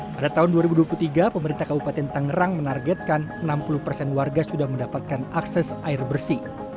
pada tahun dua ribu dua puluh tiga pemerintah kabupaten tangerang menargetkan enam puluh persen warga sudah mendapatkan akses air bersih